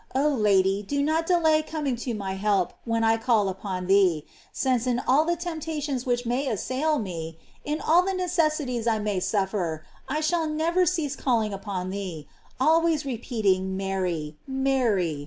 Oh Lady, do not delay coming to my help when I call upon thee, since in all the temptations which may assail me, in all the necessities I may suffer, I shall never cease calling upon thee, al ways repeating Mary, Mary.